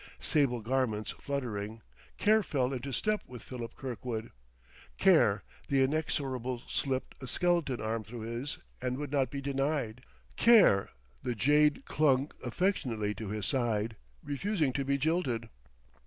Sable garments fluttering, Care fell into step with Philip Kirkwood; Care the inexorable slipped a skeleton arm through his and would not be denied; Care the jade clung affectionately to his side, refusing to be jilted.